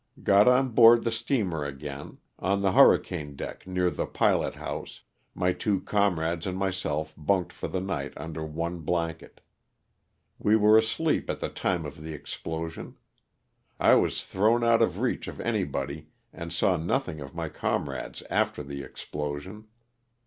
Got on board the steamer again ; on the hur LOSS OF THE SULTANA. 35 ricane deck, near the pilot house, my two com rades and myself bunked for the night under one blanket. We were asleep at the time of the explosion. I was thrown out of reach of anybody and saw nothing of my comrades after the explosion.